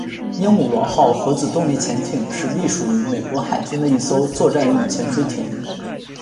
鹦鹉螺号核子动力潜艇是隶属于美国海军的一艘作战用潜水艇。